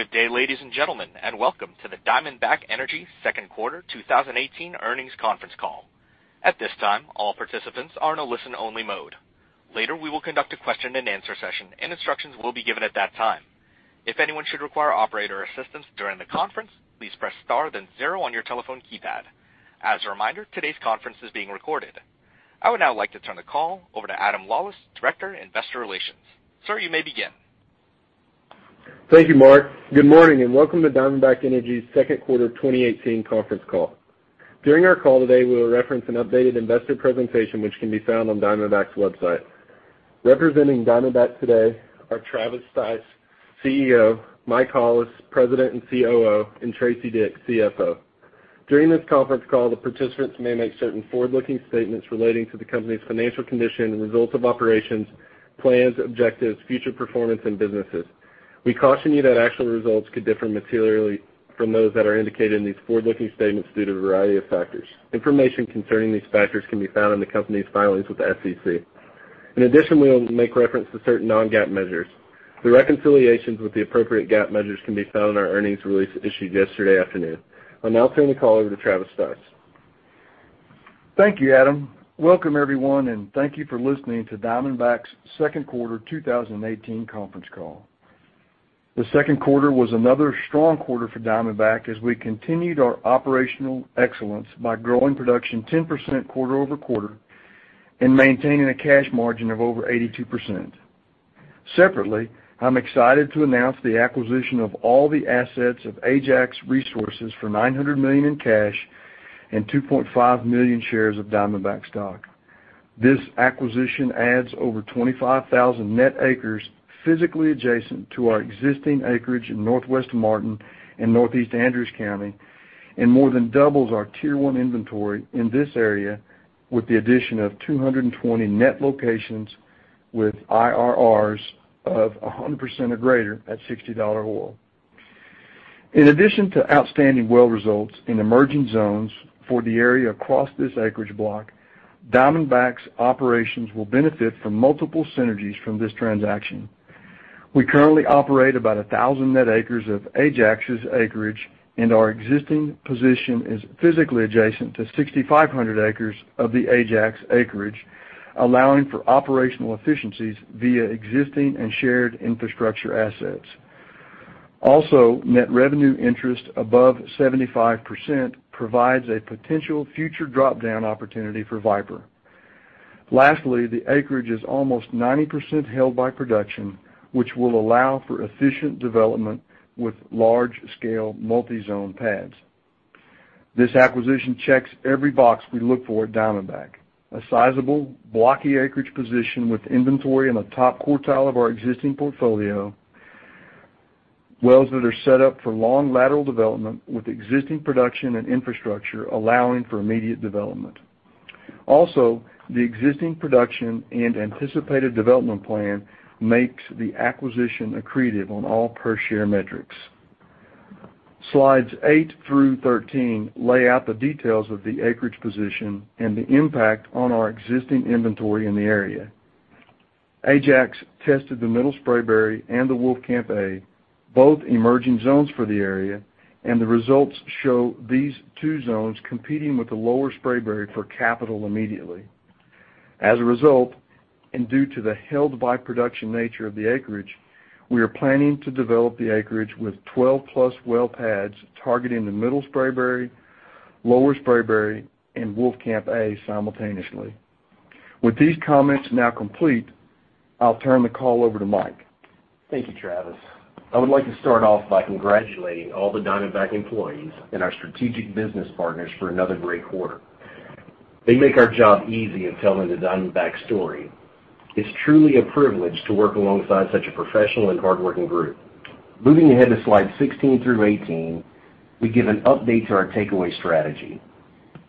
Good day, ladies and gentlemen, and welcome to the Diamondback Energy second quarter 2018 earnings conference call. At this time, all participants are in a listen-only mode. Later, we will conduct a question and answer session, and instructions will be given at that time. If anyone should require operator assistance during the conference, please press star then zero on your telephone keypad. As a reminder, today's conference is being recorded. I would now like to turn the call over to Adam Lawlis, Director of Investor Relations. Sir, you may begin. Thank you, Mark. Good morning, and welcome to Diamondback Energy's second quarter 2018 conference call. During our call today, we will reference an updated investor presentation, which can be found on Diamondback's website. Representing Diamondback today are Travis Stice, CEO; Mike Hollis, President and COO; and Tracy Dick, CFO. During this conference call, the participants may make certain forward-looking statements relating to the company's financial condition, results of operations, plans, objectives, future performance, and businesses. We caution you that actual results could differ materially from those that are indicated in these forward-looking statements due to a variety of factors. Information concerning these factors can be found in the company's filings with the SEC. In addition, we'll make reference to certain non-GAAP measures. The reconciliations with the appropriate GAAP measures can be found in our earnings release issued yesterday afternoon. I'll now turn the call over to Travis Stice. Thank you, Adam. Welcome everyone, and thank you for listening to Diamondback's second quarter 2018 conference call. The second quarter was another strong quarter for Diamondback as we continued our operational excellence by growing production 10% quarter-over-quarter and maintaining a cash margin of over 82%. Separately, I'm excited to announce the acquisition of all the assets of Ajax Resources for $900 million in cash and 2.5 million shares of Diamondback stock. This acquisition adds over 25,000 net acres physically adjacent to our existing acreage in northwest Martin and northeast Andrews County, and more than doubles our Tier 1 inventory in this area with the addition of 220 net locations with IRRs of 100% or greater at $60 oil. In addition to outstanding well results in emerging zones for the area across this acreage block, Diamondback's operations will benefit from multiple synergies from this transaction. We currently operate about 1,000 net acres of Ajax's acreage, and our existing position is physically adjacent to 6,500 acres of the Ajax acreage, allowing for operational efficiencies via existing and shared infrastructure assets. Also, net revenue interest above 75% provides a potential future drop-down opportunity for Viper. Lastly, the acreage is almost 90% held by production, which will allow for efficient development with large-scale multi-zone pads. This acquisition checks every box we look for at Diamondback: a sizable blocky acreage position with inventory in the top quartile of our existing portfolio, wells that are set up for long lateral development with existing production and infrastructure, allowing for immediate development. Also, the existing production and anticipated development plan makes the acquisition accretive on all per-share metrics. Slides eight through 13 lay out the details of the acreage position and the impact on our existing inventory in the area. Ajax tested the Middle Spraberry and the Wolfcamp A, both emerging zones for the area. The results show these two zones competing with the Lower Spraberry for capital immediately. As a result, and due to the held by production nature of the acreage, we are planning to develop the acreage with 12-plus well pads targeting the Middle Spraberry, Lower Spraberry, and Wolfcamp A simultaneously. With these comments now complete, I'll turn the call over to Mike. Thank you, Travis. I would like to start off by congratulating all the Diamondback employees and our strategic business partners for another great quarter. They make our job easy in telling the Diamondback story. It's truly a privilege to work alongside such a professional and hardworking group. Moving ahead to slides 16 through 18, we give an update to our takeaway strategy.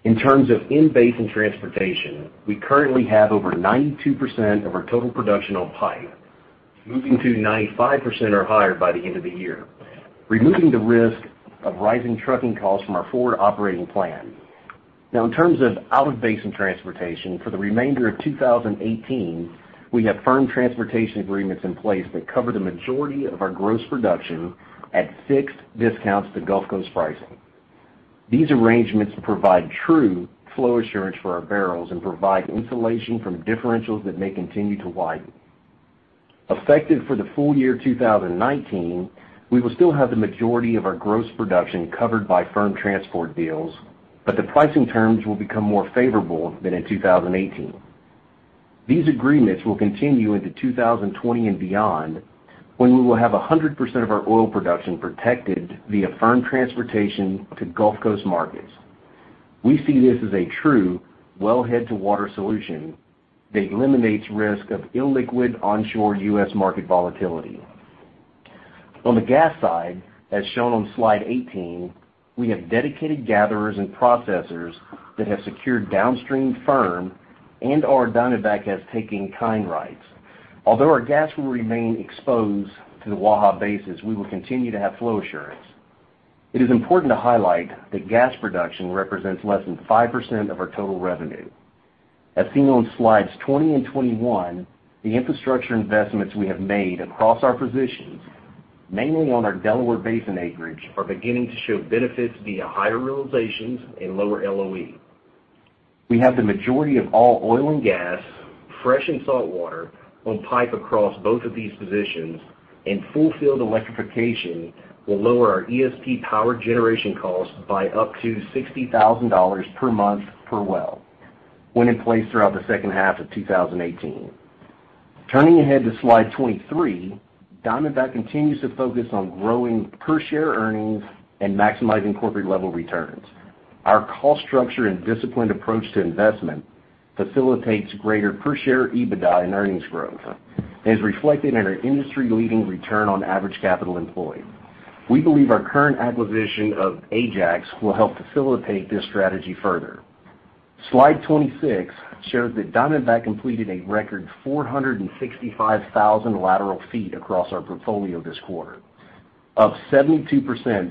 In terms of in-basin transportation, we currently have over 92% of our total production on pipe, moving to 95% or higher by the end of the year, removing the risk of rising trucking costs from our forward operating plan. In terms of out-of-basin transportation, for the remainder of 2018, we have firm transportation agreements in place that cover the majority of our gross production at fixed discounts to Gulf Coast pricing. These arrangements provide true flow assurance for our barrels and provide insulation from differentials that may continue to widen. Effective for the full year 2019, we will still have the majority of our gross production covered by firm transport deals, but the pricing terms will become more favorable than in 2018. These agreements will continue into 2020 and beyond, when we will have 100% of our oil production protected via firm transportation to Gulf Coast markets. We see this as a true wellhead-to-water solution that eliminates risk of illiquid onshore U.S. market volatility. On the gas side, as shown on slide 18, we have dedicated gatherers and processors that have secured downstream firm and/or Diamondback has taking kind rights. Although our gas will remain exposed to the Waha basis, we will continue to have flow assurance. It is important to highlight that gas production represents less than 5% of our total revenue. As seen on slides 20 and 21, the infrastructure investments we have made across our positions, mainly on our Delaware Basin acreage, are beginning to show benefits via higher realizations and lower LOE. We have the majority of all oil and gas, fresh and saltwater, on pipe across both of these positions, and full field electrification will lower our ESP power generation costs by up to $60,000 per month per well, when in place throughout the second half of 2018. Turning ahead to slide 23, Diamondback continues to focus on growing per-share earnings and maximizing corporate-level returns. Our cost structure and disciplined approach to investment facilitates greater per-share EBITDA and earnings growth and is reflected in our industry-leading return on average capital employed. We believe our current acquisition of Ajax will help facilitate this strategy further. Slide 26 shows that Diamondback completed a record 465,000 lateral feet across our portfolio this quarter, up 72%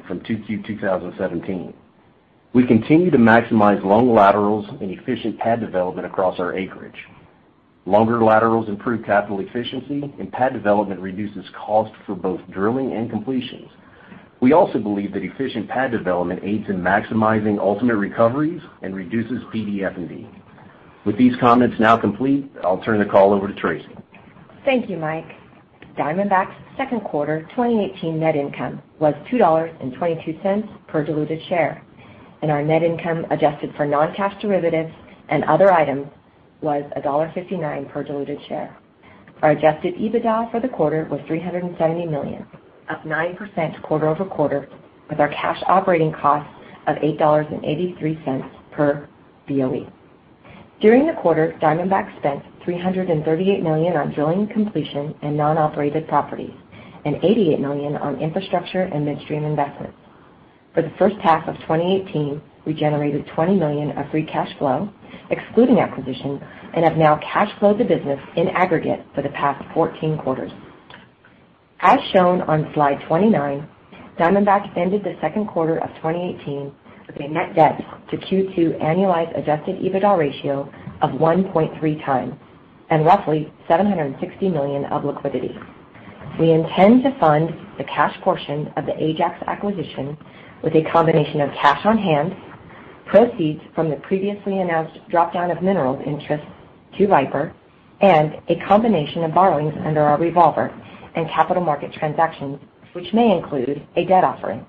from 2Q 2017. We continue to maximize long laterals and efficient pad development across our acreage. Longer laterals improve capital efficiency, and pad development reduces cost for both drilling and completions. We also believe that efficient pad development aids in maximizing ultimate recoveries and reduces PD F&D. With these comments now complete, I'll turn the call over to Teresa. Thank you, Michael. Diamondback's second quarter 2018 net income was $2.22 per diluted share, and our net income adjusted for non-cash derivatives and other items was $1.59 per diluted share. Our adjusted EBITDA for the quarter was $370 million, up 9% quarter-over-quarter, with our cash operating costs of $8.83 per BOE. During the quarter, Diamondback spent $338 million on drilling completion and non-operated properties and $88 million on infrastructure and midstream investments. For the first half of 2018, we generated $20 million of free cash flow, excluding acquisition, and have now cash flowed the business in aggregate for the past 14 quarters. As shown on slide 29, Diamondback ended the second quarter of 2018 with a net debt to Q2 annualized adjusted EBITDA ratio of 1.3 times and roughly $760 million of liquidity. We intend to fund the cash portion of the Ajax acquisition with a combination of cash on hand, proceeds from the previously announced drop-down of minerals interests to Viper, and a combination of borrowings under our revolver and capital market transactions, which may include a debt offering.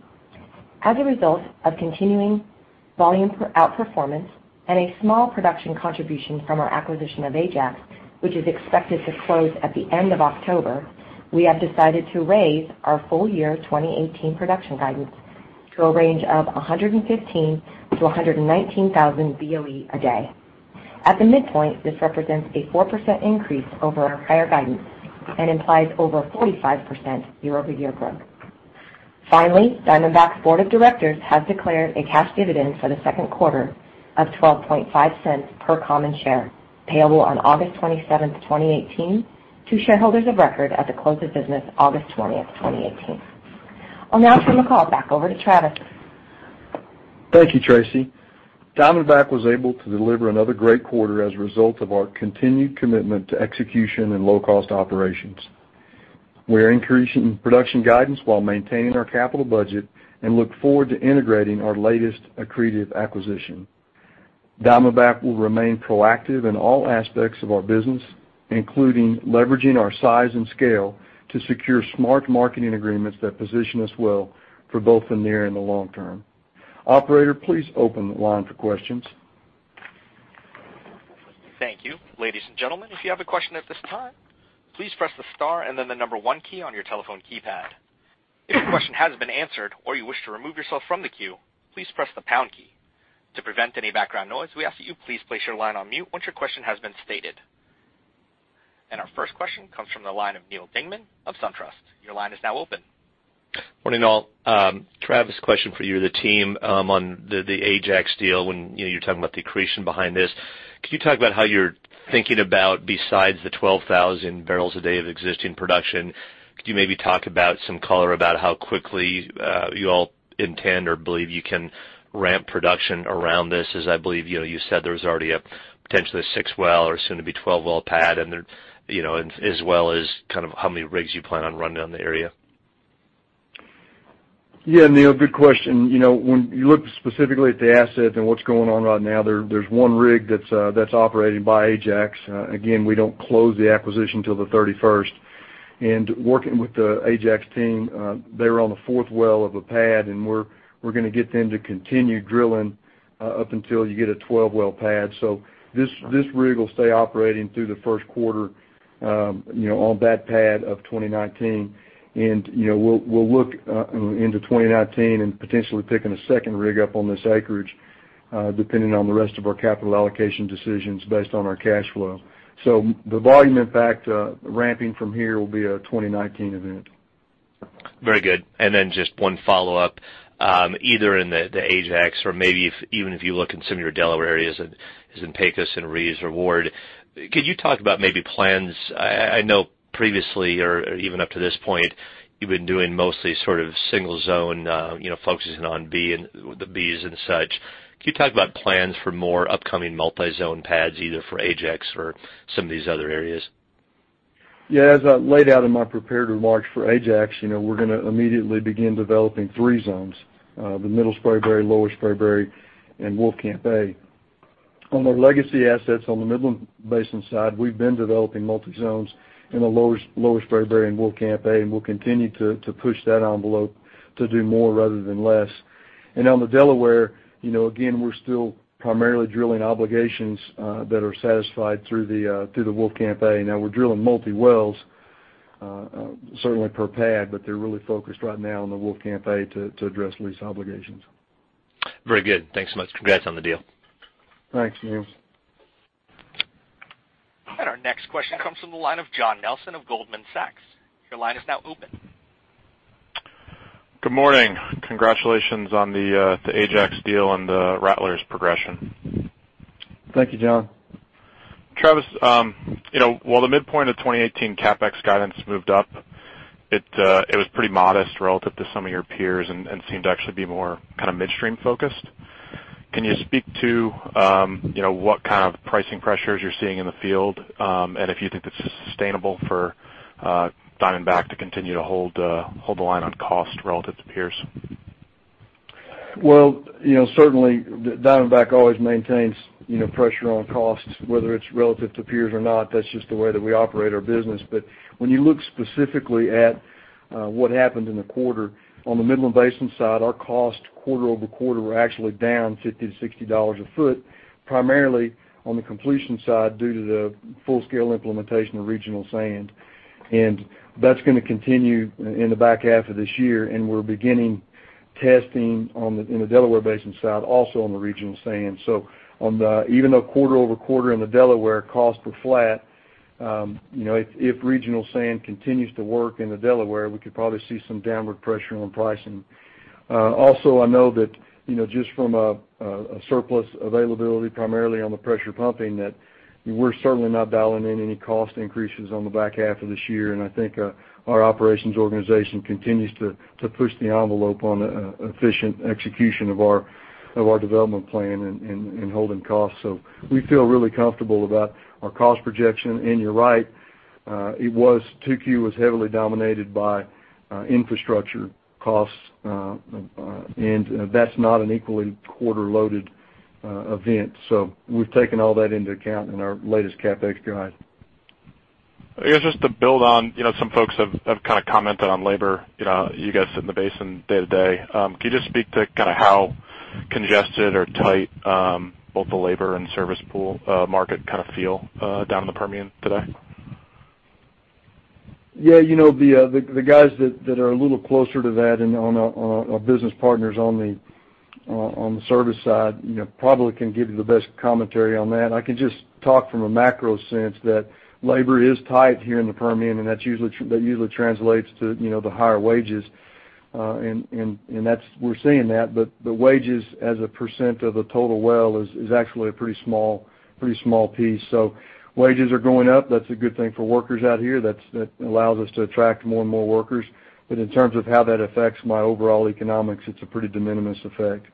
As a result of continuing volume outperformance and a small production contribution from our acquisition of Ajax, which is expected to close at the end of October, we have decided to raise our full year 2018 production guidance to a range of 115,000-119,000 BOE a day. At the midpoint, this represents a 4% increase over our prior guidance and implies over 45% year-over-year growth. Finally, Diamondback's board of directors has declared a cash dividend for the second quarter of $0.125 per common share, payable on August 27th, 2018, to shareholders of record at the close of business August 20th, 2018. I'll now turn the call back over to Travis. Thank you, Tracy. Diamondback was able to deliver another great quarter as a result of our continued commitment to execution and low-cost operations. We are increasing production guidance while maintaining our capital budget and look forward to integrating our latest accretive acquisition. Diamondback will remain proactive in all aspects of our business, including leveraging our size and scale to secure smart marketing agreements that position us well for both the near and the long term. Operator, please open the line for questions. Thank you. Ladies and gentlemen, if you have a question at this time, please press the star and then the number one key on your telephone keypad. If your question has been answered or you wish to remove yourself from the queue, please press the pound key. To prevent any background noise, we ask that you please place your line on mute once your question has been stated. Our first question comes from the line of Neal Dingmann of SunTrust. Your line is now open. Morning, all. Travis, question for you or the team on the Ajax deal when you're talking about the accretion behind this. Could you talk about how you're thinking about, besides the 12,000 barrels a day of existing production, could you maybe talk about some color about how quickly you all intend or believe you can ramp production around this? As I believe you said there was already a potentially six-well or soon to be 12-well pad, and as well as how many rigs you plan on running in the area? Yeah, Neal, good question. When you look specifically at the asset and what's going on right now, there's one rig that's operating by Ajax. Again, we don't close the acquisition till the 31st. Working with the Ajax team, they're on the fourth well of a pad, and we're going to get them to continue drilling up until you get a 12-well pad. This rig will stay operating through the first quarter on that pad of 2019. We'll look into 2019 and potentially picking a second rig up on this acreage, depending on the rest of our capital allocation decisions based on our cash flow. The volume impact ramping from here will be a 2019 event. Very good. Just one follow-up, either in the Ajax or maybe even if you look in some of your Delaware areas as in Pecos and Reeves, Ward. Could you talk about maybe plans? I know previously, or even up to this point, you've been doing mostly single zone, focusing on the Bs and such. Could you talk about plans for more upcoming multi-zone pads, either for Ajax or some of these other areas? Yeah. As I laid out in my prepared remarks for Ajax, we're going to immediately begin developing three zones, the Middle Spraberry, Lower Spraberry, and Wolfcamp A. On the legacy assets on the Midland Basin side, we've been developing multi-zones in the Lower Spraberry and Wolfcamp A, and we'll continue to push that envelope to do more rather than less. On the Delaware, again, we're still primarily drilling obligations that are satisfied through the Wolfcamp A. Now, we're drilling multi wells, certainly per pad, but they're really focused right now on the Wolfcamp A to address lease obligations. Very good. Thanks so much. Congrats on the deal. Thanks, Neal. Our next question comes from the line of John Nelson of Goldman Sachs. Your line is now open. Good morning. Congratulations on the Ajax deal and the Rattler's progression. Thank you, John. Travis, while the midpoint of 2018 CapEx guidance moved up, it was pretty modest relative to some of your peers and seemed to actually be more midstream focused. Can you speak to what kind of pricing pressures you're seeing in the field, and if you think this is sustainable for Diamondback to continue to hold the line on cost relative to peers? Certainly Diamondback always maintains pressure on costs, whether it's relative to peers or not. That's just the way that we operate our business. When you look specifically at what happened in the quarter, on the Midland Basin side, our cost quarter-over-quarter were actually down $50-$60 a foot, primarily on the completion side due to the full-scale implementation of regional sand. That's going to continue in the back half of this year, and we're beginning testing in the Delaware Basin side also on the regional sand. Even though quarter-over-quarter in the Delaware costs were flat, if regional sand continues to work in the Delaware, we could probably see some downward pressure on pricing. I know that just from a surplus availability, primarily on the pressure pumping, that we're certainly not dialing in any cost increases on the back half of this year. I think our operations organization continues to push the envelope on efficient execution of our development plan and holding costs. We feel really comfortable about our cost projection. You're right, 2Q was heavily dominated by infrastructure costs, and that's not an equally quarter-loaded event. We've taken all that into account in our latest CapEx guide. I guess just to build on, some folks have commented on labor. You guys sit in the basin day-to-day. Can you just speak to how congested or tight both the labor and service pool market feel down in the Permian today? Yeah, the guys that are a little closer to that and our business partners on the service side probably can give you the best commentary on that. I can just talk from a macro sense that labor is tight here in the Permian, and that usually translates to higher wages, and we're seeing that. The wages as a percent of the total well is actually a pretty small piece. Wages are going up. That's a good thing for workers out here. That allows us to attract more and more workers. In terms of how that affects my overall economics, it's a pretty de minimis effect.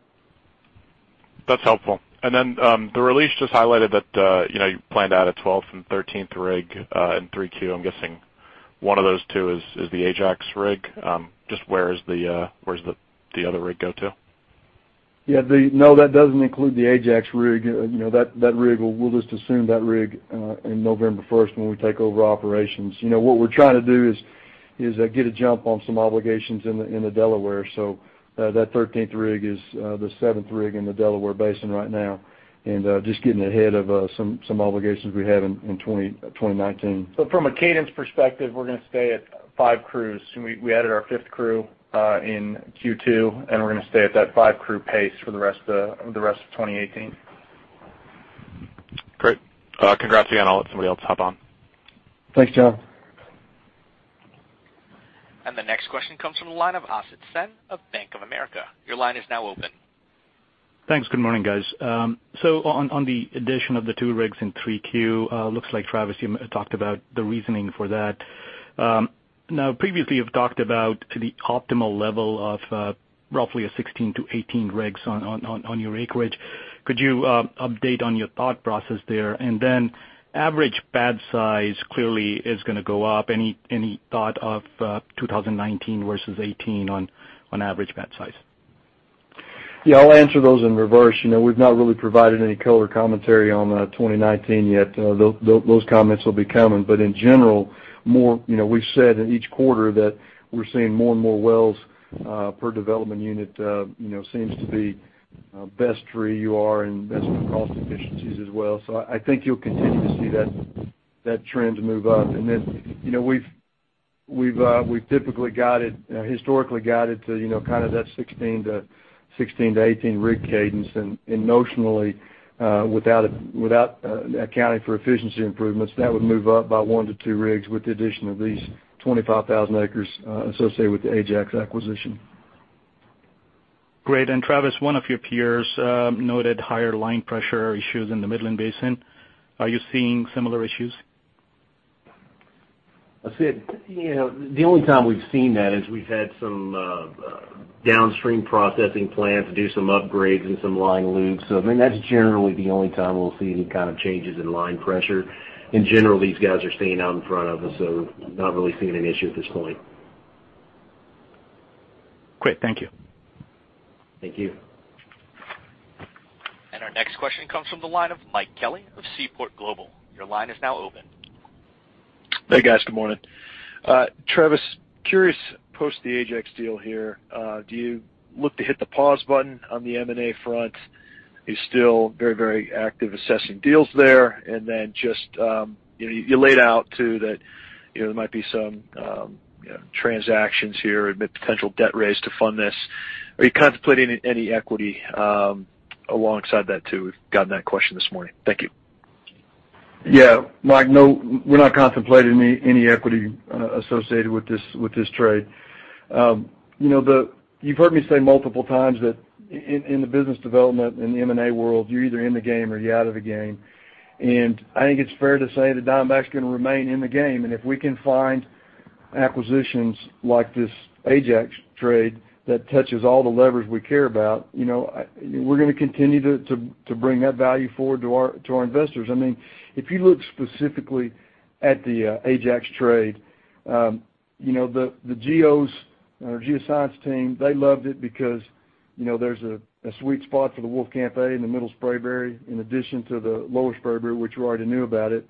That's helpful. Then, the release just highlighted that you planned out a 12th and 13th rig in 3Q. I'm guessing one of those two is the Ajax rig. Just where does the other rig go to? No, that doesn't include the Ajax rig. We'll just assume that rig in November 1st when we take over operations. What we're trying to do is get a jump on some obligations in the Delaware. That 13th rig is the seventh rig in the Delaware Basin right now, and just getting ahead of some obligations we have in 2019. From a cadence perspective, we're going to stay at five crews. We added our fifth crew in Q2, and we're going to stay at that five crew pace for the rest of 2018. Great. Congrats again. I'll let somebody else hop on. Thanks, John. The next question comes from the line of Asit Sen of Bank of America. Your line is now open. Thanks. Good morning, guys. On the addition of the two rigs in 3Q, looks like Travis, you talked about the reasoning for that. Previously, you've talked about the optimal level of roughly 16-18 rigs on your acreage. Could you update on your thought process there? Average pad size clearly is going to go up. Any thought of 2019 versus 2018 on average pad size? Yeah, I'll answer those in reverse. We've not really provided any color commentary on 2019 yet. Those comments will be coming. In general, we've said in each quarter that we're seeing more and more wells per development unit seems to be best for EUR and best for cost efficiencies as well. I think you'll continue to see that trend move up. We've historically guided to that 16-18 rig cadence. Notionally, without accounting for efficiency improvements, that would move up by 1-2 rigs with the addition of these 25,000 acres associated with the Ajax acquisition. Great. Travis, one of your peers noted higher line pressure issues in the Midland Basin. Are you seeing similar issues? Asit, the only time we've seen that is we've had some downstream processing plants do some upgrades and some line loops. That's generally the only time we'll see any kind of changes in line pressure. In general, these guys are staying out in front of us, not really seeing an issue at this point. Great. Thank you. Thank you. Our next question comes from the line of Mike Kelly of Seaport Global. Your line is now open. Hey, guys. Good morning. Travis, curious, post the Ajax deal here, do you look to hit the pause button on the M&A front? Are you still very active assessing deals there? Just, you laid out too that there might be some transactions here and a potential debt raise to fund this. Are you contemplating any equity alongside that too? We've gotten that question this morning. Thank you. Yeah. Mike, no, we're not contemplating any equity associated with this trade. You've heard me say multiple times that in the business development, in the M&A world, you're either in the game or you're out of the game. I think it's fair to say that Diamondback's going to remain in the game. If we can find acquisitions like this Ajax trade that touches all the levers we care about, we're going to continue to bring that value forward to our investors. If you look specifically at the Ajax trade, the geos, our geoscience team, they loved it because there's a sweet spot for the Wolfcamp A in the Middle Spraberry in addition to the Lower Spraberry, which we already knew about it.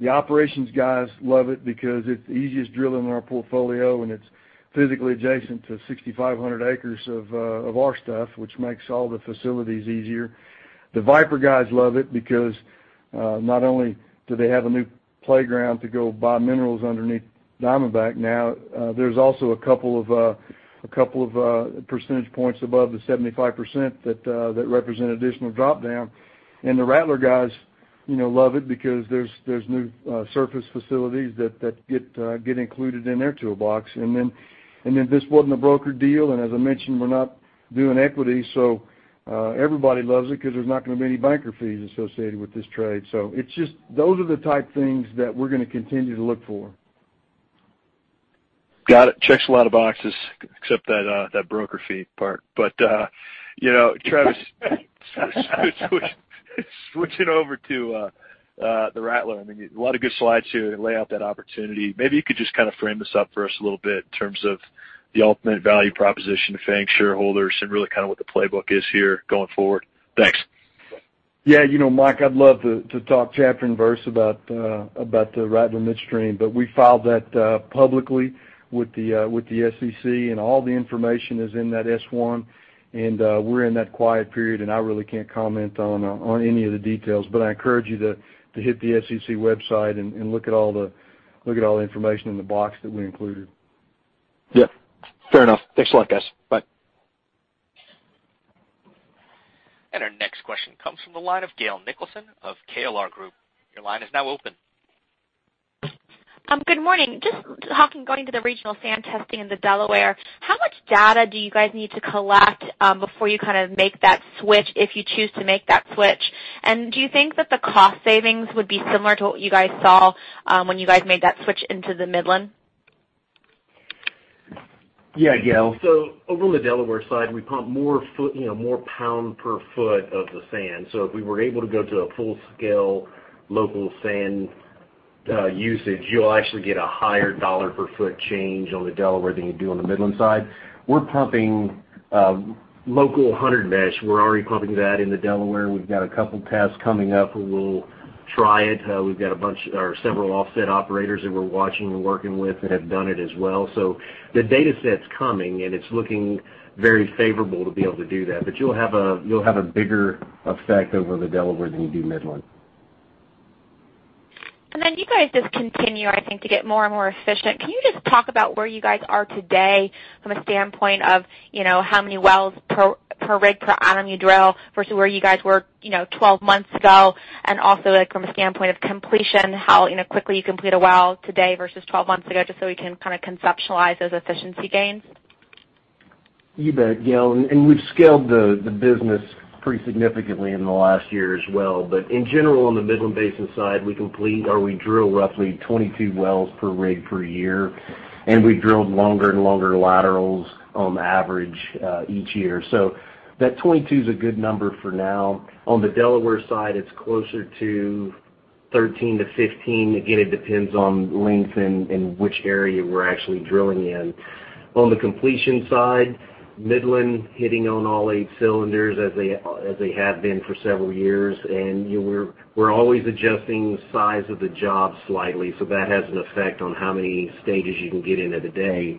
The operations guys love it because it's the easiest drill in our portfolio, and it's physically adjacent to 6,500 acres of our stuff, which makes all the facilities easier. The Viper guys love it because not only do they have a new playground to go buy minerals underneath Diamondback now, there's also a couple of percentage points above the 75% that represent additional drop down. The Rattler guys love it because there's new surface facilities that get included in their toolbox. This wasn't a broker deal, and as I mentioned, we're not doing equity, everybody loves it because there's not going to be any banker fees associated with this trade. Those are the type of things that we're going to continue to look for. Got it. Checks a lot of boxes except that broker fee part. Travis, switching over to the Rattler. A lot of good slides here that lay out that opportunity. Maybe you could just frame this up for us a little bit in terms of the ultimate value proposition to FANG shareholders and really what the playbook is here going forward. Thanks. Yeah, Mike, I'd love to talk chapter and verse about the Rattler Midstream, we filed that publicly with the SEC, and all the information is in that S-1. We're in that quiet period, I really can't comment on any of the details. I encourage you to hit the SEC website and look at all the information in the box that we included. Yeah. Fair enough. Thanks a lot, guys. Bye. Our next question comes from the line of Gail Nicholson of KLR Group. Your line is now open. Good morning. Just talking, going into the regional sand testing in the Delaware, how much data do you guys need to collect before you make that switch, if you choose to make that switch? Do you think that the cost savings would be similar to what you guys saw when you guys made that switch into the Midland? Yeah, Gail. Over on the Delaware side, we pump more pound per foot of the sand. If we were able to go to a full-scale local sand usage, you'll actually get a higher dollar per foot change on the Delaware than you do on the Midland side. We're pumping local 100 mesh. We're already pumping that in the Delaware. We've got a couple tests coming up where we'll try it. We've got several offset operators that we're watching and working with that have done it as well. The data set's coming, and it's looking very favorable to be able to do that. You'll have a bigger effect over the Delaware than you do Midland. You guys just continue, I think, to get more and more efficient. Can you just talk about where you guys are today from a standpoint of how many wells per rig per item you drill versus where you guys were 12 months ago and also from a standpoint of completion, how quickly you complete a well today versus 12 months ago, just so we can conceptualize those efficiency gains? You bet, Gail, we've scaled the business pretty significantly in the last year as well. In general, on the Midland Basin side, we complete or we drill roughly 22 wells per rig per year, we drilled longer and longer laterals on average each year. That 22 is a good number for now. On the Delaware side, it's closer to 13 to 15. Again, it depends on length and which area we're actually drilling in. On the completion side, Midland hitting on all eight cylinders as they have been for several years, we're always adjusting the size of the job slightly, that has an effect on how many stages you can get in a day.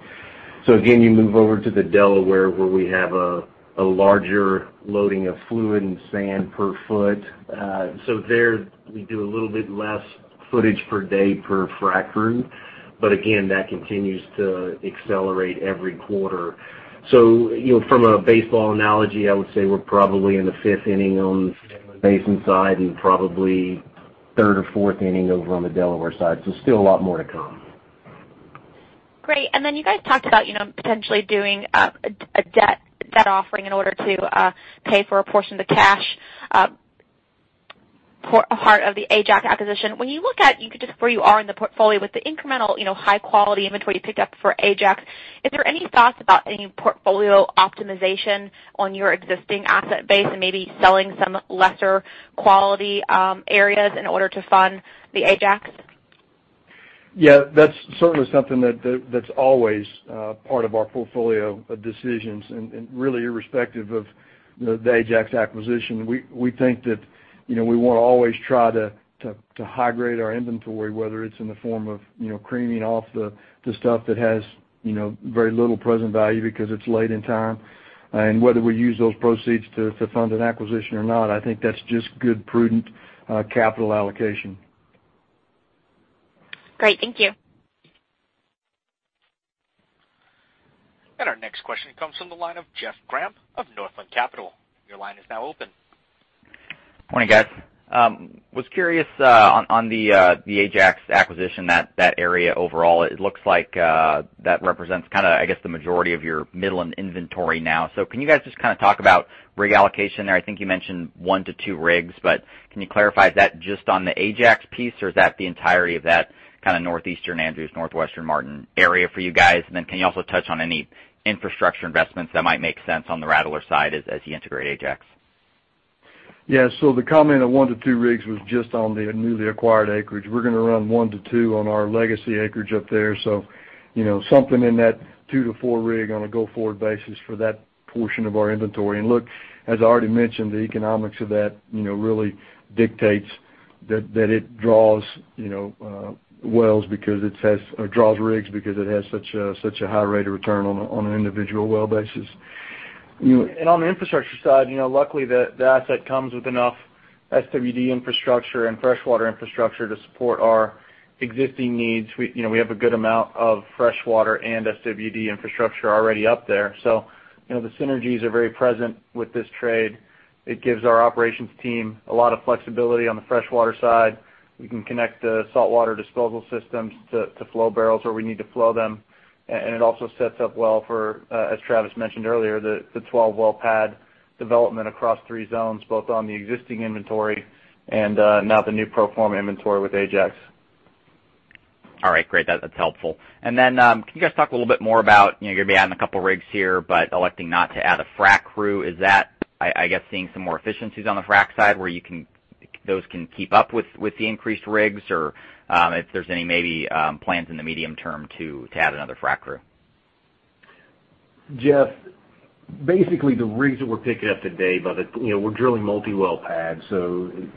Again, you move over to the Delaware, where we have a larger loading of fluid and sand per foot. There we do a little bit less footage per day per frac crew. Again, that continues to accelerate every quarter. From a baseball analogy, I would say we're probably in the fifth inning on the Midland Basin side and probably third or fourth inning over on the Delaware side, still a lot more to come. Great. You guys talked about potentially doing a debt offering in order to pay for a portion of the cash for a part of the Ajax acquisition. When you look at just where you are in the portfolio with the incremental high-quality inventory you picked up for Ajax, is there any thoughts about any portfolio optimization on your existing asset base and maybe selling some lesser quality areas in order to fund the Ajax? Yeah. That's certainly something that's always part of our portfolio of decisions and really irrespective of the Ajax acquisition. We think that we want to always try to high-grade our inventory, whether it's in the form of creaming off the stuff that has very little present value because it's late in time. Whether we use those proceeds to fund an acquisition or not, I think that's just good prudent capital allocation. Great. Thank you. Our next question comes from the line of Jeff Grampp of Northland Capital. Your line is now open. Morning, guys. Was curious on the Ajax acquisition, that area overall, it looks like that represents the majority of your Midland inventory now. Can you guys just talk about rig allocation there? I think you mentioned one to two rigs, but can you clarify, is that just on the Ajax piece or is that the entirety of that Northeastern Andrews, Northwestern Martin area for you guys? Can you also touch on any infrastructure investments that might make sense on the Rattler side as you integrate Ajax? Yeah. The comment of 1 to 2 rigs was just on the newly acquired acreage. We're going to run 1 to 2 on our legacy acreage up there. Something in that 2 to 4 rig on a go-forward basis for that portion of our inventory. Look, as I already mentioned, the economics of that really dictates that it draws rigs because it has such a high rate of return on an individual well basis. On the infrastructure side, luckily the asset comes with enough SWD infrastructure and freshwater infrastructure to support our existing needs. We have a good amount of freshwater and SWD infrastructure already up there. The synergies are very present with this trade. It gives our operations team a lot of flexibility on the freshwater side. We can connect the saltwater disposal systems to flow barrels where we need to flow them. It also sets up well for, as Travis mentioned earlier, the 12-well pad development across 3 zones, both on the existing inventory and now the new pro forma inventory with Ajax. All right. Great. That's helpful. Can you guys talk a little bit more about, you're going to be adding a couple rigs here, but electing not to add a frac crew. Is that, I guess, seeing some more efficiencies on the frac side where those can keep up with the increased rigs? If there's any maybe plans in the medium term to add another frac crew? Jeff, basically the rigs that we're picking up today, we're drilling multi-well pads.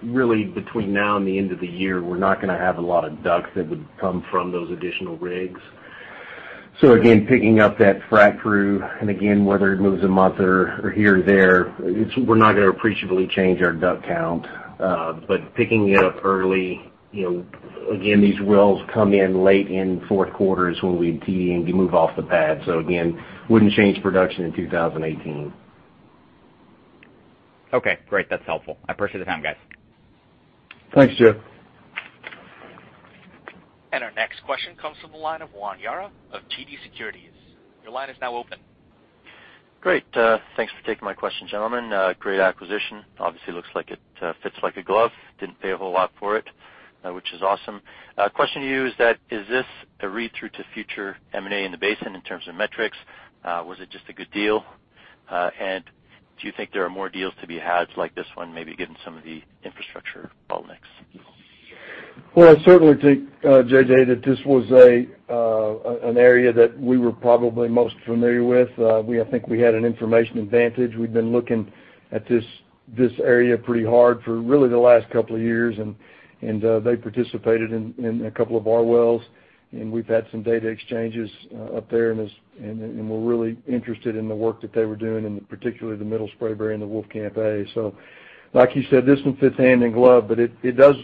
Really between now and the end of the year, we're not going to have a lot of DUC that would come from those additional rigs. Again, picking up that frac crew, and again, whether it moves a month or here or there, we're not going to appreciably change our DUC count. Picking it up early, again, these wells come in late in fourth quarters when we'd be needing to move off the pad. Again, wouldn't change production in 2018. Okay, great. That's helpful. I appreciate the time, guys. Thanks, Jeff. Our next question comes from the line of Juan Jarrah of TD Securities. Your line is now open. Great. Thanks for taking my question, gentlemen. Great acquisition. Obviously looks like it fits like a glove. Didn't pay a whole lot for it, which is awesome. Question to you is that, is this a read-through to future M&A in the basin in terms of metrics? Was it just a good deal? Do you think there are more deals to be had like this one, maybe given some of the infrastructure bottlenecks? I certainly think, JJ, that this was an area that we were probably most familiar with. I think we had an information advantage. We'd been looking at this area pretty hard for really the last couple of years, and they participated in a couple of our wells, and we've had some data exchanges up there, and we're really interested in the work that they were doing, and particularly the Middle Spraberry and the Wolfcamp A. Like you said, this one fits hand in glove, it does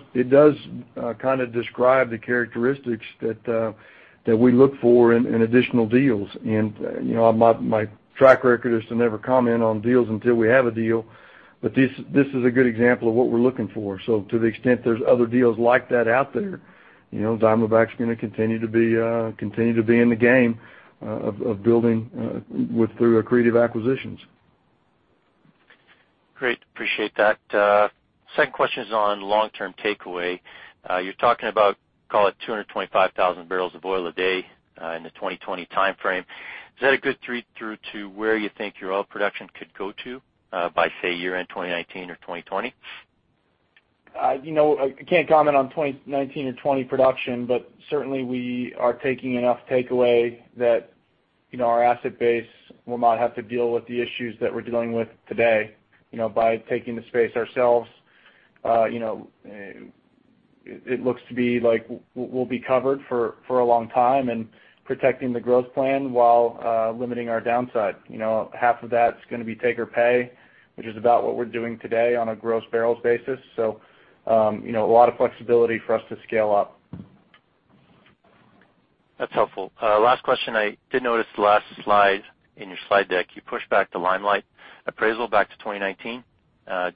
describe the characteristics that we look for in additional deals. My track record is to never comment on deals until we have a deal, this is a good example of what we're looking for. To the extent there's other deals like that out there, Diamondback's going to continue to be in the game of building through accretive acquisitions. Great. Appreciate that. Second question is on long-term takeaway. You're talking about, call it 225,000 barrels of oil a day in the 2020 timeframe. Is that a good read-through to where you think your oil production could go to, by, say, year-end 2019 or 2020? I can't comment on 2019 and 2020 production, certainly we are taking enough takeaway that our asset base will not have to deal with the issues that we're dealing with today. By taking the space ourselves, it looks to be like we'll be covered for a long time and protecting the growth plan while limiting our downside. Half of that's going to be take or pay, which is about what we're doing today on a gross barrels basis. A lot of flexibility for us to scale up. That's helpful. Last question. I did notice the last slide in your slide deck, you pushed back the Limelight appraisal back to 2019.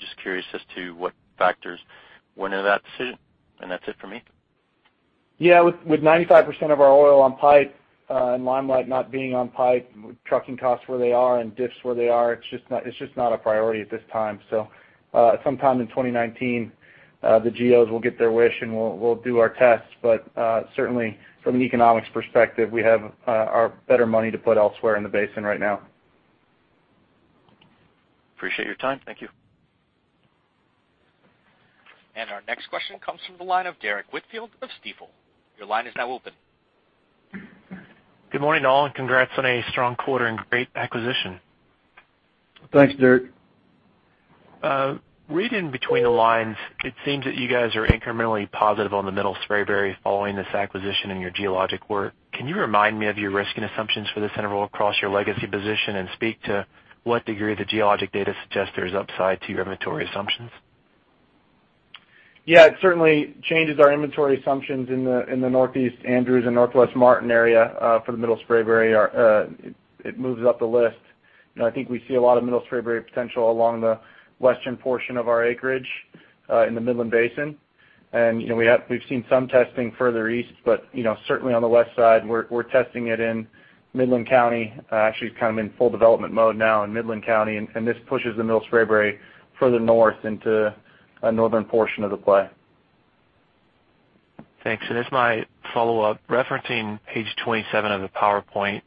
Just curious as to what factors went into that decision. That's it for me. Yeah. With 95% of our oil on pipe and Limelight not being on pipe, with trucking costs where they are and dips where they are, it's just not a priority at this time. Sometime in 2019, the geos will get their wish, and we'll do our tests. Certainly, from an economics perspective, we have our better money to put elsewhere in the basin right now. Appreciate your time. Thank you. Our next question comes from the line of Derrick Whitfield of Stifel. Your line is now open. Good morning, all, and congrats on a strong quarter and great acquisition. Thanks, Derrick. Reading between the lines, it seems that you guys are incrementally positive on the Middle Spraberry following this acquisition and your geologic work. Can you remind me of your risk and assumptions for this interval across your legacy position, and speak to what degree the geologic data suggests there is upside to your inventory assumptions? Yeah. It certainly changes our inventory assumptions in the Northeast Andrews and Northwest Martin area, for the Middle Spraberry. It moves up the list. I think we see a lot of Middle Spraberry potential along the western portion of our acreage, in the Midland Basin. We've seen some testing further east, but certainly on the west side, we're testing it in Midland County. Actually, it's kind of in full development mode now in Midland County, and this pushes the Middle Spraberry further north into a northern portion of the play. Thanks. As my follow-up, referencing page 27 of the PowerPoint,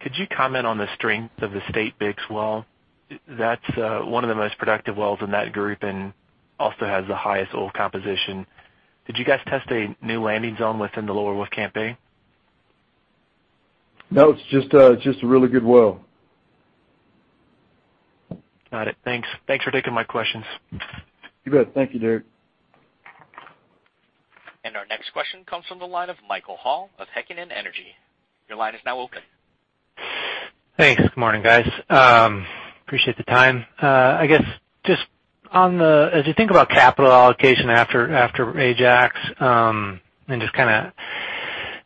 could you comment on the strength of the State Bix well? That's one of the most productive wells in that group and also has the highest oil composition. Did you guys test a new landing zone within the Lower Wolfcamp A? No, it's just a really good well. Got it. Thanks for taking my questions. You bet. Thank you, Derrick. Our next question comes from the line of Michael Hall of Heikkinen Energy Advisors. Your line is now open. Thanks. Good morning, guys. Appreciate the time. I guess, as you think about capital allocation after Ajax,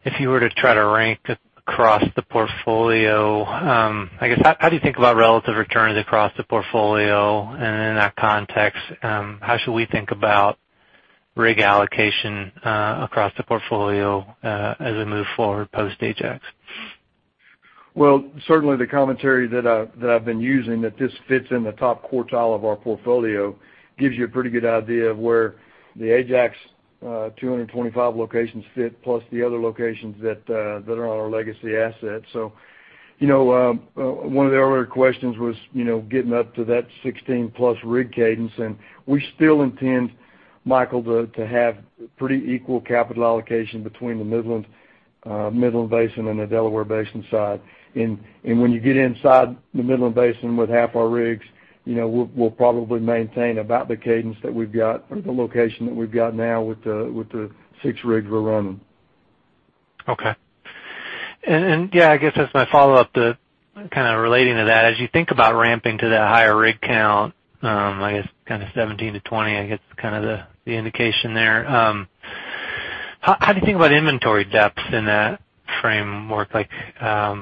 if you were to try to rank across the portfolio, how do you think about relative returns across the portfolio? In that context, how should we think about rig allocation across the portfolio as we move forward post Ajax? Well, certainly the commentary that I've been using, that this fits in the top quartile of our portfolio, gives you a pretty good idea of where the Ajax 225 locations fit, plus the other locations that are on our legacy asset. One of the earlier questions was getting up to that 16-plus rig cadence, we still intend, Michael, to have pretty equal capital allocation between the Midland Basin and the Delaware Basin side. When you get inside the Midland Basin with half our rigs, we'll probably maintain about the cadence that we've got, or the location that we've got now with the six rigs we're running. Okay. Yeah, I guess that's my follow-up, kind of relating to that. As you think about ramping to that higher rig count, I guess 17-20, I guess, is the indication there. How do you think about inventory depths in that framework? How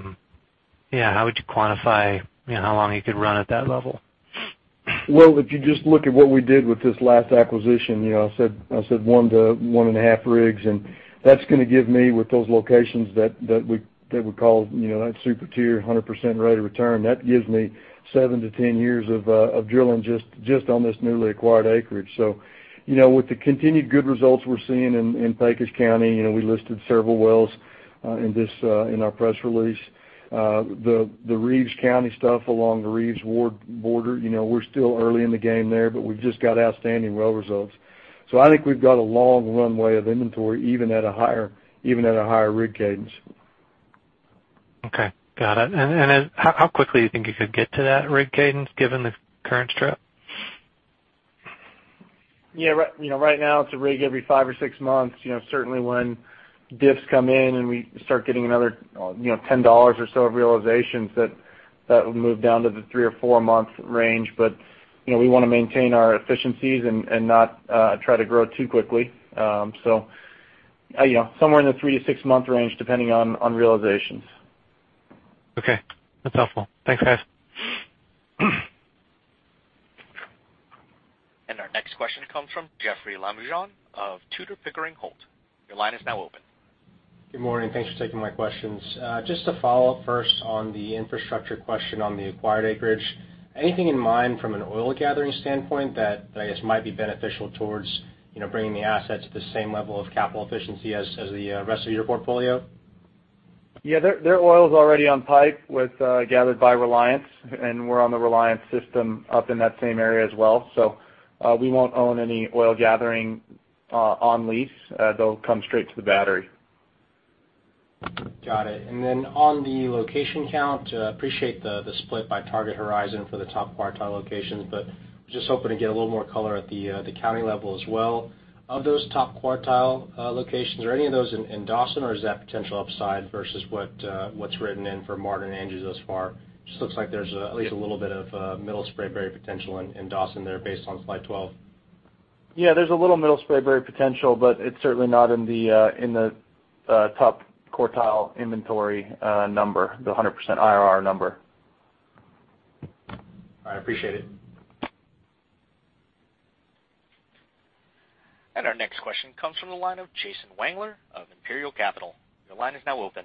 would you quantify how long you could run at that level? Well, if you just look at what we did with this last acquisition, I said one to one and a half rigs, that's going to give me, with those locations that we call super tier, 100% rate of return. That gives me seven-10 years of drilling just on this newly acquired acreage. With the continued good results we're seeing in Pecos County, we listed several wells in our press release. The Reeves County stuff along the Reeves border, we're still early in the game there, but we've just got outstanding well results. I think we've got a long runway of inventory, even at a higher rig cadence. Okay. Got it. How quickly do you think you could get to that rig cadence, given the current strip? Yeah. Right now it's a rig every five or six months. Certainly when dips come in and we start getting another $10 or so of realizations, that will move down to the three or four-month range. We want to maintain our efficiencies and not try to grow too quickly. Somewhere in the three to six-month range, depending on realizations. Okay. That's helpful. Thanks, guys. Our next question comes from Jeoffrey Lambujon of Tudor, Pickering, Holt & Co. Your line is now open. Good morning. Thanks for taking my questions. Just to follow up first on the infrastructure question on the acquired acreage. Anything in mind from an oil gathering standpoint that, I guess, might be beneficial towards bringing the assets to the same level of capital efficiency as the rest of your portfolio? Yeah. Their oil's already on pipe, gathered by Reliance, and we're on the Reliance system up in that same area as well. We won't own any oil gathering on lease. They'll come straight to the battery. Got it. On the location count, appreciate the split by target horizon for the top quartile locations, but just hoping to get a little more color at the county level as well. Of those top quartile locations, are any of those in Dawson, or is that potential upside versus what's written in for Martin and Andrews thus far? Just looks like there's at least a little bit of Middle Spraberry potential in Dawson there based on slide 12. Yeah, there's a little Middle Spraberry potential, but it's certainly not in the top quartile inventory number, the 100% IRR number. All right. Appreciate it. Our next question comes from the line of Jason Wangler of Imperial Capital. Your line is now open.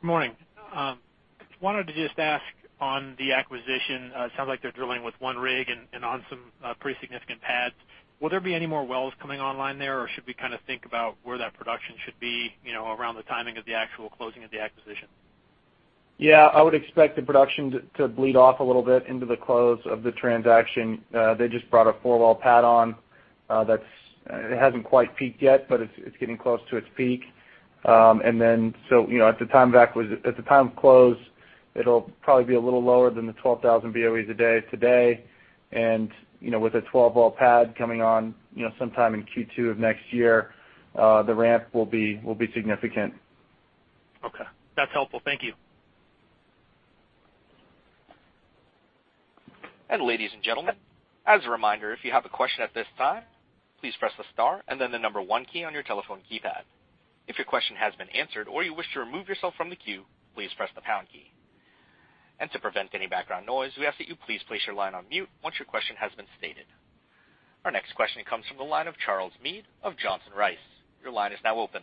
Good morning. Just wanted to just ask on the acquisition, it sounds like they're drilling with one rig and on some pretty significant pads. Will there be any more wells coming online there, or should we think about where that production should be around the timing of the actual closing of the acquisition? Yeah, I would expect the production to bleed off a little bit into the close of the transaction. They just brought a four-well pad on. It hasn't quite peaked yet, but it's getting close to its peak. Then at the time of close, it'll probably be a little lower than the 12,000 BOEs a day today. With a 12-well pad coming on sometime in Q2 of next year, the ramp will be significant. Okay. That's helpful. Thank you. Ladies and gentlemen, as a reminder, if you have a question at this time, please press the star and then the number 1 key on your telephone keypad. If your question has been answered or you wish to remove yourself from the queue, please press the pound key. To prevent any background noise, we ask that you please place your line on mute once your question has been stated. Our next question comes from the line of Charles Meade of Johnson Rice. Your line is now open.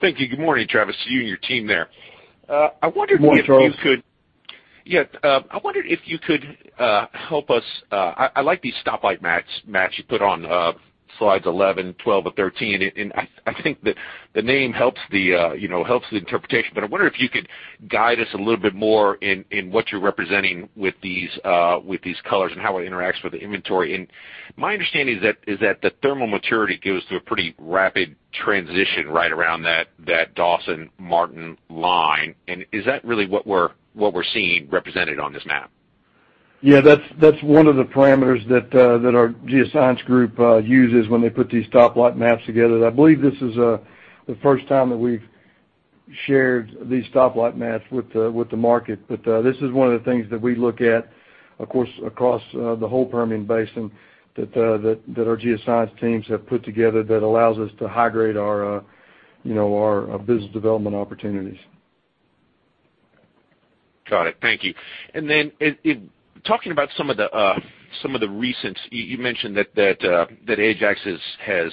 Thank you. Good morning, Travis, to you and your team there. Good morning, Charles. I wondered if you could help us. I like these stoplight maps you put on slides 11, 12, or 13. I think that the name helps the interpretation, but I wonder if you could guide us a little bit more in what you're representing with these colors and how it interacts with the inventory. My understanding is that the thermal maturity goes through a pretty rapid transition right around that Dawson-Martin line. Is that really what we're seeing represented on this map? Yeah, that's one of the parameters that our geoscience group uses when they put these stoplight maps together. I believe this is the first time that we've shared these stoplight maps with the market. This is one of the things that we look at, of course, across the whole Permian Basin that our geoscience teams have put together that allows us to high-grade our business development opportunities. Got it. Thank you. Talking about some of the recent, you mentioned that Ajax has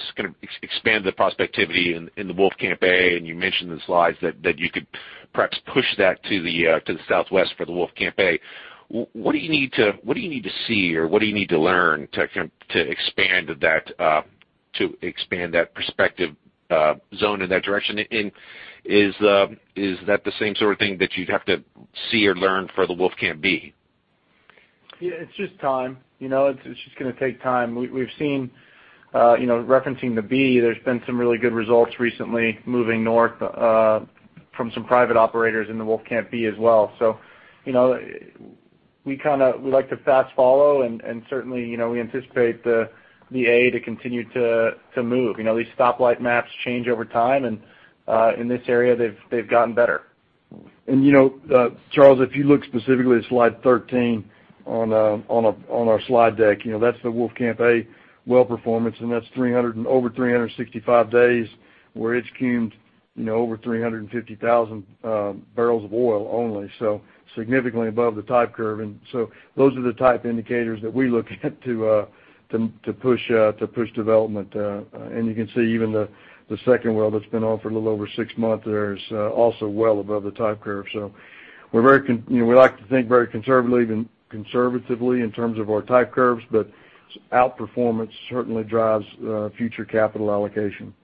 expanded the prospectivity in the Wolfcamp A. You mentioned in the slides that you could perhaps push that to the southwest for the Wolfcamp A. What do you need to see, or what do you need to learn to expand that prospective zone in that direction? Is that the same sort of thing that you'd have to see or learn for the Wolfcamp B? Yeah, it's just time. It's just going to take time. We've seen, referencing the B, there's been some really good results recently moving north from some private operators in the Wolfcamp B as well. We like to fast follow and certainly, we anticipate the A to continue to move. These stoplight maps change over time, and in this area, they've gotten better. Charles, if you look specifically at slide 13 on our slide deck, that's the Wolfcamp A well performance, and that's over 365 days where it's cummed over 350,000 barrels of oil only, significantly above the type curve. Those are the type indicators that we look at to push development. You can see even the second well that's been on for a little over six months there is also well above the type curve. We like to think very conservatively in terms of our type curves, but out-performance certainly drives future capital allocation.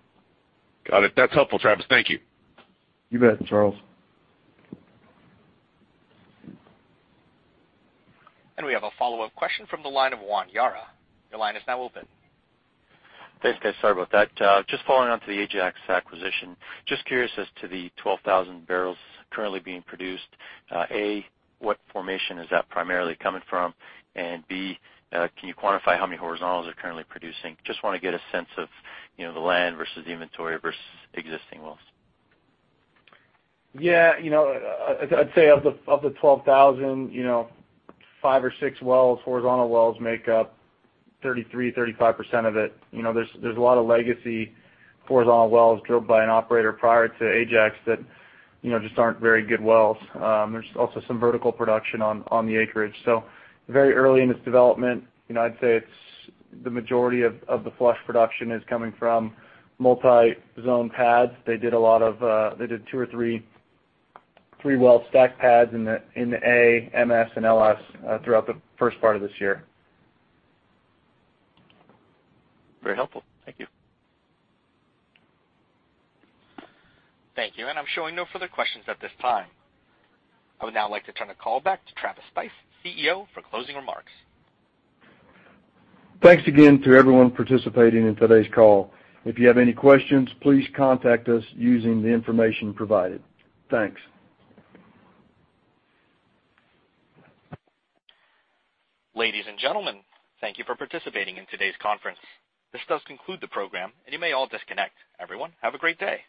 Got it. That's helpful, Travis. Thank you. You bet, Charles. We have a follow-up question from the line of Juan Jarrah. Your line is now open. Thanks, guys. Sorry about that. Following on to the Ajax acquisition. Curious as to the 12,000 barrels currently being produced. A, what formation is that primarily coming from? B, can you quantify how many horizontals are currently producing? Want to get a sense of the land versus inventory versus existing wells. Yeah. I'd say of the 12,000, five or six wells, horizontal wells, make up 33%-35% of it. There's a lot of legacy horizontal wells drilled by an operator prior to Ajax that just aren't very good wells. There's also some vertical production on the acreage. Very early in its development, I'd say the majority of the flush production is coming from multi-zone pads. They did two or three well stack pads in the A, MS, and LS throughout the first part of this year. Very helpful. Thank you. Thank you. I'm showing no further questions at this time. I would now like to turn the call back to Travis Stice, CEO, for closing remarks. Thanks again to everyone participating in today's call. If you have any questions, please contact us using the information provided. Thanks. Ladies and gentlemen, thank you for participating in today's conference. This does conclude the program. You may all disconnect. Everyone, have a great day.